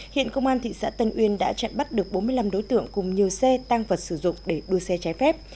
hiện công an thị xã tân uyên đã chặn bắt được bốn mươi năm đối tượng cùng nhiều xe tăng vật sử dụng để đua xe trái phép